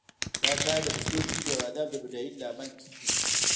دا کار د پښتو ژبې او ادب د بډاینې لامل کیږي